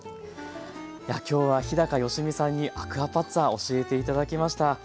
今日は日良実さんにアクアパッツァ教えて頂きました。